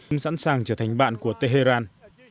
ông sẵn sàng trở thành bạn của tehran